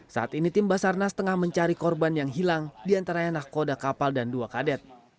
saat ini tim basarnas tengah mencari korban yang hilang diantaranya nahkoda kapal dan dua kadet